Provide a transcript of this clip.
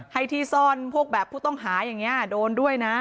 ให้ที่ซ่อนพวกแบบผู้ต้องหาอย่างนี้โดนด้วยนะ